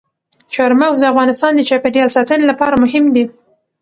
چار مغز د افغانستان د چاپیریال ساتنې لپاره مهم دي.